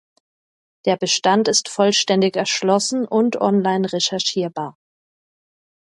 Der Bestand ist vollständig erschlossen und online recherchierbar.